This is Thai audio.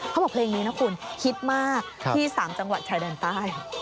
เขาบอกเพลงนี้นะคุณฮิตมากที่๓จังหวัดชายแดนใต้